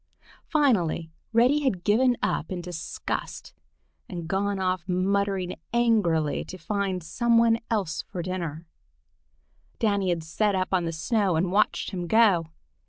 Finally Reddy had given up in disgust and gone off muttering angrily to try to find something else for dinner. Danny had sat up on the snow and watched him go.